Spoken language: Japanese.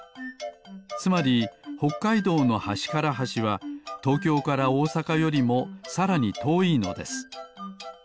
つまりほっかいどうのはしからはしは東京から大阪よりもさらにとおいのです。